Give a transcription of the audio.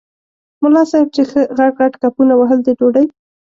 ملا صاحب چې ښه غټ غټ کپونه وهل د ډوډۍ.